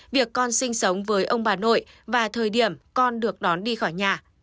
việc con sinh sống với ông bà nội và thời điểm con được đón đi khỏi nhà